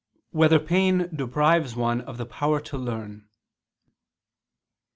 1] Whether Pain Deprives One of the Power to Learn?